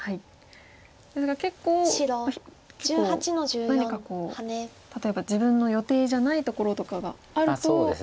ですが結構何か例えば自分の予定じゃないところとかがあると。